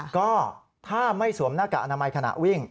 ก็ถ้าไม่สวมหน้ากากอนามัยขณะวิ่ง